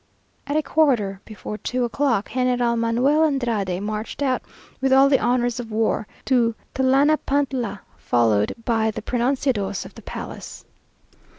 At a quarter before two o'clock, General Manuel Andrade marched out, with all the honours of war, to Tlanapantla, followed by the pronunciados of the palace.